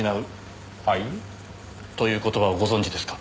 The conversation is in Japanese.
はい？という言葉をご存じですか？